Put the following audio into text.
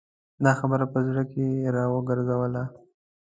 دا خبره په زړه کې را وګرځېدله.